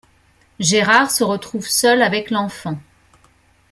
Gérard se retrouve seul avec l'enfant.